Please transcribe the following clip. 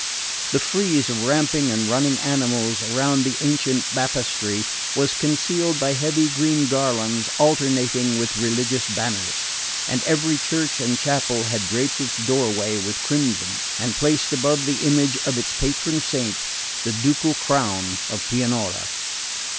The frieze of ramping and running animals around the ancient baptistery was concealed by heavy green garlands alternating with religious banners; and every church and chapel had draped its doorway with crimson and placed above the image of its patron saint the ducal crown of Pianura.